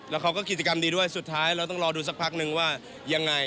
แล้วเขาก็กิจกรรมดีด้วยสุดท้ายเราต้องรอดูสักพักนึงว่ายังไง